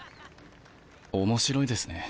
面白いですね